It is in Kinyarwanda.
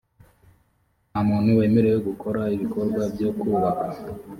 nta muntu wemerewe gukora ibikorwa byo kubaka